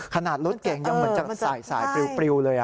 รถเก่งยังเหมือนจะสายปริวเลย